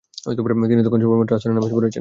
তিনি তখন সবেমাত্র আসরের নামায পড়েছেন।